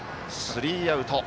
スリーアウト。